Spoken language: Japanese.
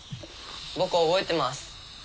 僕覚えてます。